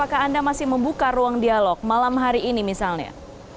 apakah anda masih membuka ruang dialog malam hari ini misalnya